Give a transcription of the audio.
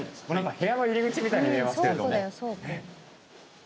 部屋の入り口みたいに見えますけれども。